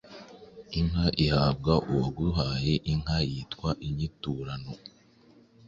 Inka ihabwa uwaguhaye inka yitwa Inyiturano